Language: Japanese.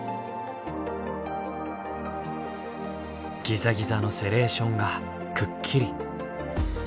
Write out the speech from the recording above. ギザギザのセレーションがくっきり。